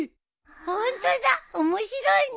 ホントだ面白いね！